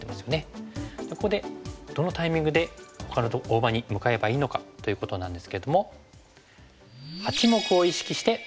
ここでどのタイミングでほかの大場に向かえばいいのかということなんですけども。